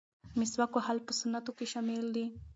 مسواک وهل په سنتو کې شامل دي.